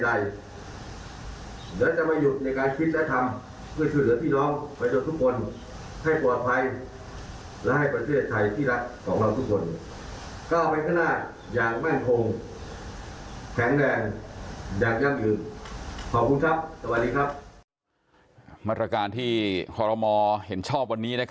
ได้พิจารณาออกมาตรการช่วยเหลือเยียวยาพี่น้องผู้ชนโทษเติม